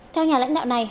theo nhà lãnh đạo này